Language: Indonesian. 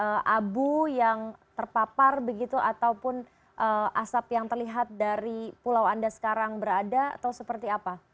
ada abu yang terpapar begitu ataupun asap yang terlihat dari pulau anda sekarang berada atau seperti apa